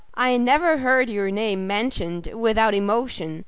I never heard your name mentioned without emotion!